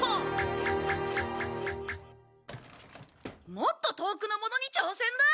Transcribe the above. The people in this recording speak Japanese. もっと遠くのものに挑戦だ。